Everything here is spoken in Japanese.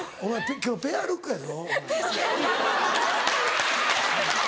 今日ペアルックやぞ。